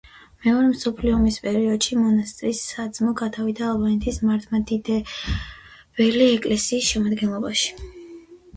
მეორე მსოფლიო ომის პერიოდში მონასტრის საძმო გადავიდა ალბანეთის მართლმადიდებელი ეკლესიის შემადგენლობაში.